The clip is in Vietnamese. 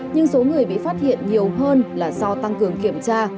nhưng số người bị phát hiện nhiều hơn là do tăng cường kiểm tra